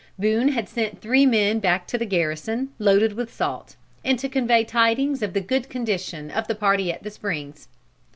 Boone had sent three men back to the garrison, loaded with salt, and to convey tidings of the good condition of the party at the springs.